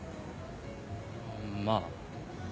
まあ。